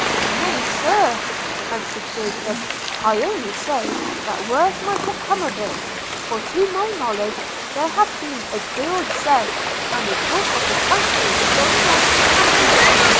'Nay, Sir,' answered Jacob, 'I only say, that worse might have come of it; for to my knowledge there have been a deal said, and the talk of the country sure enough it have been.